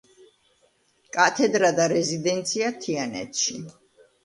კათედრა და რეზიდენცია თიანეთში.